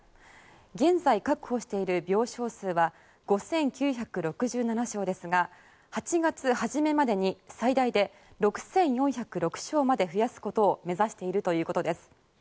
現在確保している病床数は５９６７床ですが８月初めまでに最大で６４０６床まで増やすことを目指しているということです。